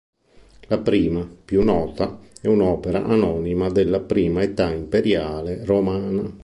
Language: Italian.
La prima, più nota, è un'opera anonima della prima età imperiale romana.